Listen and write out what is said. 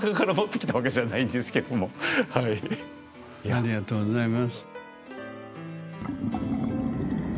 ありがとうございます。